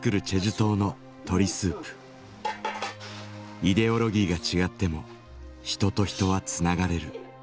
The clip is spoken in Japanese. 「イデオロギーが違っても人と人はつながれる」